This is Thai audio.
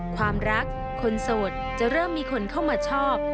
ความรักคนโสดจะเริ่มมีคนเข้ามาชอบ